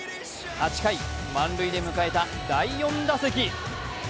８回、満塁で迎えた第４打席。